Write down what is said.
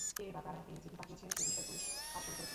কে বা কারা এ চিঠি পাঠিয়েছে সে বিষয়ে পুলিশ কাজ শুরু করেছে।